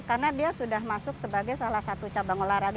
karena dia sudah masuk sebagai salah satu cabang olahraga